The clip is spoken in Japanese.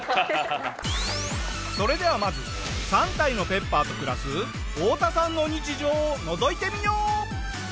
それではまず３体のペッパーと暮らすオオタさんの日常をのぞいてみよう。